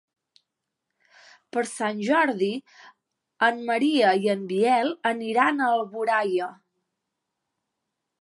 Per Sant Jordi en Maria i en Biel aniran a Alboraia.